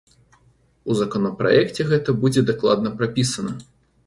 У законапраекце гэта будзе дакладна прапісана.